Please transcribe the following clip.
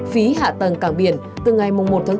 phí hạ tầng cảng biển từ ngày một bốn